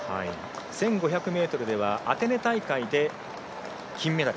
１５００ｍではアテネ大会で金メダル。